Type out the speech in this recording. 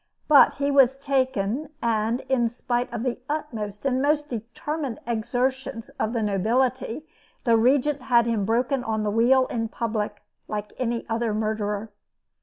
But he was taken, and, in spite of the utmost and most determined exertions of the nobility, the Regent had him broken on the wheel in public, like any other murderer.